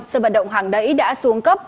sân vận động hàng đáy đã xuống cấp